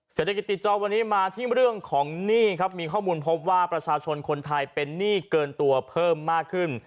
เศรษฐกิจติดจอวันนี้มาที่เรื่องของหนี้ครับมีข้อมูลพบว่าประชาชนคนไทยเป็นหนี้เกินตัวเพิ่มมากขึ้น